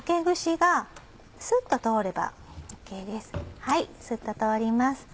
はいスッと通ります。